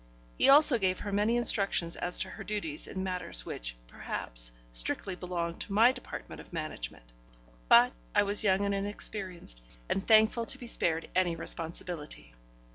He also gave her many instructions as to her duties in matters which, perhaps, strictly belonged to my department of management. But I was young and inexperienced, and thankful to be spared any responsibility.